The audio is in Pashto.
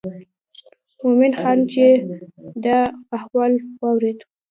مومن خان چې دا احوال واورېد.